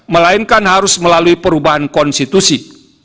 melainkan harus melalui perubahan konstitusi